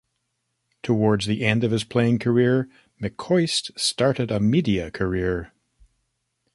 Towards the end of his playing career, McCoist started a media career.